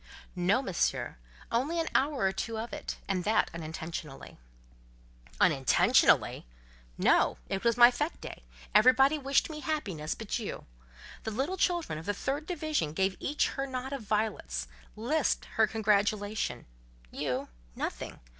"No, Monsieur, only an hour or two of it, and that unintentionally." "Unintentionally! No. It was my fête day; everybody wished me happiness but you. The little children of the third division gave each her knot of violets, lisped each her congratulation:—you—nothing.